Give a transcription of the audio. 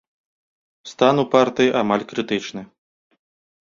Стан у партыі амаль крытычны.